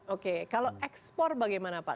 oke kalau ekspor bagaimana pak